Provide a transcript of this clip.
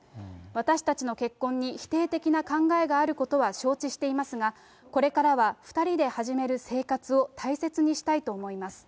私たちの結婚に否定的な考えがあることは承知していますが、これからは２人で始める生活を大切にしたいと思います。